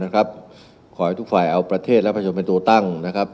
ขอให้ทุกฝ่ายเอาประเทศและประชนเป็นตัวตั้งนะครับ